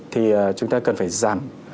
thì chúng ta cần phải giảm